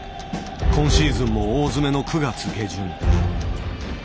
今シーズンも大詰めの９月下旬。